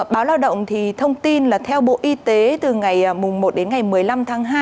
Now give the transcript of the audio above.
báo lao động thì thông tin là theo bộ y tế từ ngày một đến ngày một mươi năm tháng hai